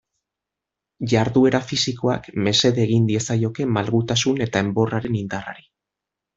Jarduera fisikoak mesede egin diezaioke malgutasun eta enborraren indarrari.